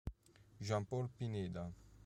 Jean Paul Pineda